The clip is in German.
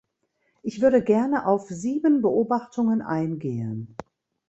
Ich würde gerne auf sieben Beobachtungen eingehen.